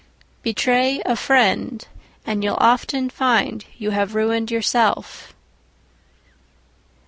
Betray a friend, and you'll often find you have ruined yourself.